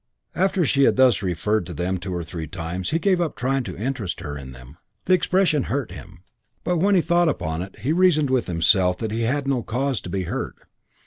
After she had thus referred to them two or three times he gave up trying to interest her in them. The expression hurt him, but when he thought upon it he reasoned with himself that he had no cause to be hurt.